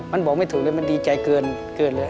มันบอกไม่ถูกเลยมันดีใจเกินเลย